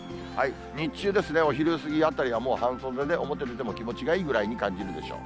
日中ですね、お昼過ぎあたりは、もう半袖で表出ても気持ちがいいぐらいに感じるでしょう。